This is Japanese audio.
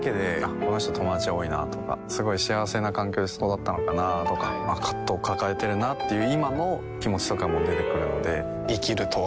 この人友達が多いなとかすごい幸せな環境で育ったのかなとか葛藤を抱えているなという今の気持ちとかも出てくるので生きるとは？